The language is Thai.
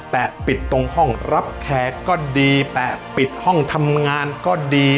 ปิดตรงห้องรับแขกก็ดีแปะปิดห้องทำงานก็ดี